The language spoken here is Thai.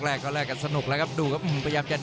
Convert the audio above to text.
เราต้องเละไม้ที่กันเซียด